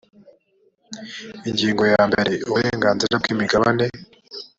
ingingo ya mbere uburenganzira bwi imigabane